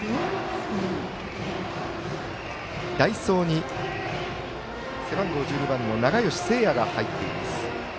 代走に背番号１５番の永吉盛空が入っています。